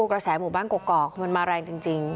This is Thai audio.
กระแสหมู่บ้านกอกคือมันมาแรงจริง